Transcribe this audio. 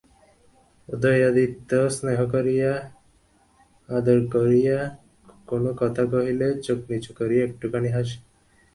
উদয়াদিত্য স্নেহ করিয়া আদর করিয়া কোনো কথা কহিলে চোখ নিচু করিয়া একটুখানি হাসে।